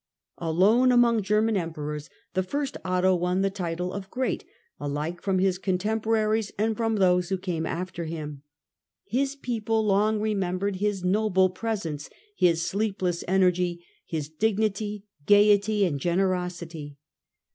Alone among German Emperors the first Otto won the title of " Great," alike from his contemporaries and from those who came after him. His people long remembered his noble presence, his sleepless energy, his dignity, gaiety, and generosity.